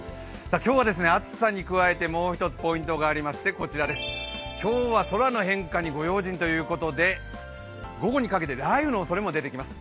今日は暑さに加えて、もう一つポイントがありましてこちら、今日は空の変化にご用心ということで午後にかけて雷雨のおそれも出てきます。